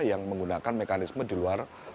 yang menggunakan mekanisme di luar